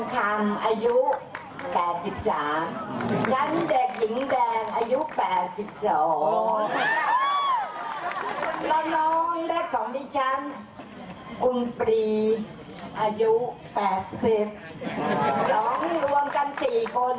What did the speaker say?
๔คน๓๒๙ปี